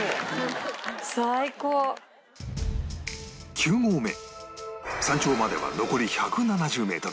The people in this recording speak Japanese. ９合目山頂までは残り１７０メートル